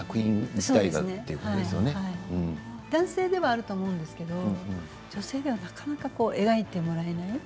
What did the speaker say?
男性ではあると思うんですが女性ではなかなか描いてもらえない。